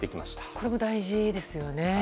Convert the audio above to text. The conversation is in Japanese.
これも大事ですね。